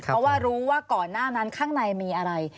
เพราะว่ารู้ว่าก่อนหน้านั้นข้างในมีอะไร